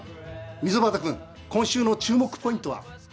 溝端君今週の注目ポイントは？